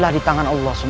daripada kau mati sia sia